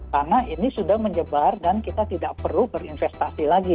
karena ini sudah menyebar dan kita tidak perlu berinvestasi lagi